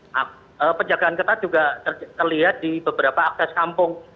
nah penjagaan ketat juga terlihat di beberapa akses kampung